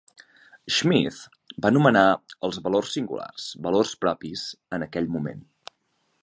Schmidt va anomenar als valors singulars "valors propis" en aquell moment.